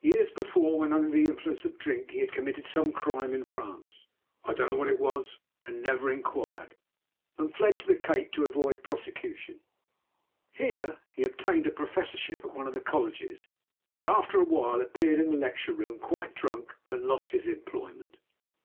Years before, when under the influence of drink, he had committed some crime in France—I don't know what it was, and never inquired—and fled to the Cape to avoid prosecution. Here he obtained a professorship at one of the colleges, but after a while appeared in the lecture room quite drunk and lost his employment.